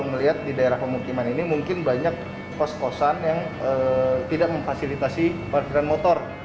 melihat di daerah pemukiman ini mungkin banyak kos kosan yang tidak memfasilitasi parkiran motor